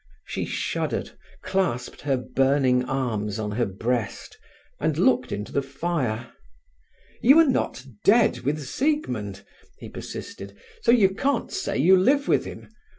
She shuddered, clasped her burning arms on her breast, and looked into the fire. "You are not dead with Siegmund," he persisted, "so you can't say you live with him.